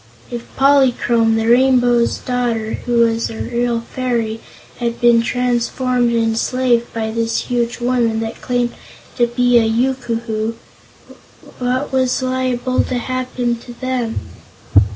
If Polychrome, the Rainbow's Daughter, who was a real fairy, had been transformed and enslaved by this huge woman, who claimed to be a Yookoohoo, what was liable to happen to them?